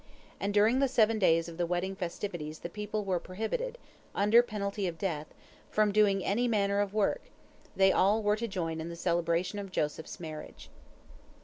And during the seven days of the wedding festivities the people were prohibited, under penalty of death, from doing any manner of work; they all were to join in the celebration of Joseph's marriage.